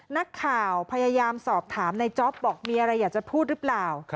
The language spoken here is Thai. นักข่าวพยายามสอบถามในจ๊อปบอกมีอะไรอยากจะพูดหรือเปล่า